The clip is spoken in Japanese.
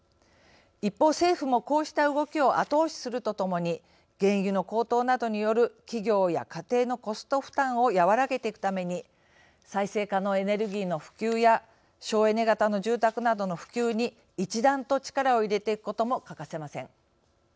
一方、政府も、こうした動きを後押しするとともに原油の高騰などによる企業や家庭のコスト負担を和らげていくために再生可能エネルギーの普及や省エネ型の住宅などの普及に一段と力を入れていくことも欠かせません。